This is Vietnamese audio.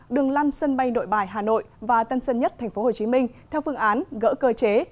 đường lăn sân bay nội bài hà nội và tân sân nhất tp hcm theo phương án gỡ cơ chế